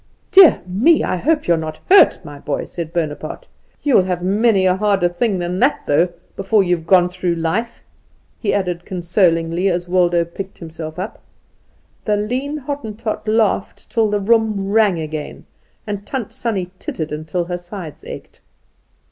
"Dear me! I hope you are not hurt, my boy," said Bonaparte. "You'll have many a harder thing than that though, before you've gone through life," he added consolingly, as Waldo picked himself up. The lean Hottentot laughed till the room rang again; and Tant Sannie tittered till her sides ached.